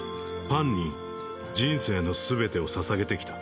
パンに人生の全てを捧げてきた